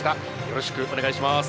よろしくお願いします。